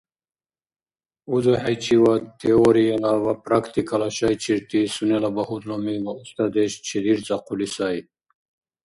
УзухӀейчивад теорияла ва практикала шайчирти сунела багьудлуми ва устадеш чедирцӀахъули сай.